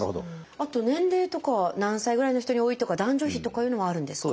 あと年齢とかは何歳ぐらいの人に多いとか男女比とかいうのもあるんですか？